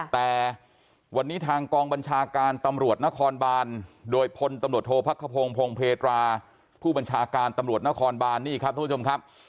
แต่วันนี้ทางกองบัญชาการตำรวจนครบานโดยพลตำรวจโทษพักขพงศ์พงเพตราผู้บัญชาการตำรวจนครบานนี่ครับท่านผู้ชมครับ